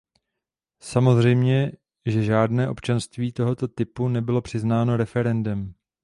Samozřejmě, že žádné občanství tohoto typu nebylo přiznáno referendem.